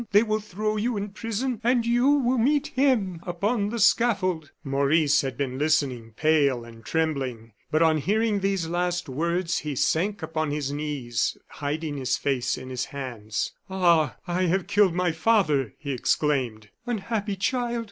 They will throw you in prison, and you, will meet him upon the scaffold." Maurice had been listening, pale and trembling. But on hearing these last words, he sank upon his knees, hiding his face in his hands: "Ah! I have killed my father!" he exclaimed. "Unhappy child!